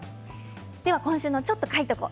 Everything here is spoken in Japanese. では今週の「ちょっと書いとこ！」